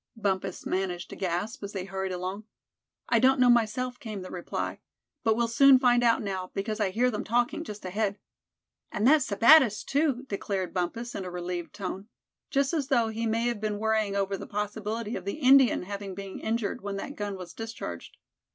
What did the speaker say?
Bumpus managed to gasp, as they hurried along. "I don't know myself," came the reply; "but we'll soon find out now, because I hear them talking just ahead." "And that's Sebattis, too," declared Bumpus, in a relieved tone; just as though he may have been worrying over the possibility of the Indian having been injured when that gun was discharged.